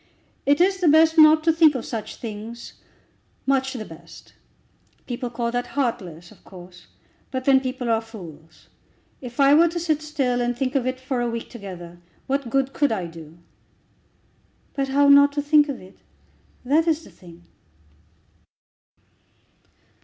It is the best not to think of such things, much the best. People call that heartless, of course, but then people are fools. If I were to sit still, and think of it for a week together, what good could I do?" "But how not to think of it? that is the thing."